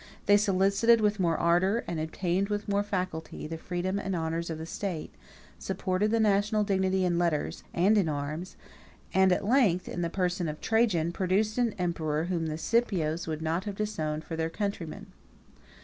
They solicited with more ardor, and obtained with more facility, the freedom and honors of the state; supported the national dignity in letters 40 and in arms; and at length, in the person of Trajan, produced an emperor whom the Scipios would not have disowned for their countryman.